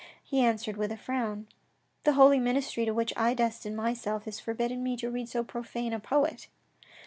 He answered with a frown. " The holy ministry to which I destine myself has forbidden me to read so profane a poet."